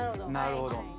なるほど。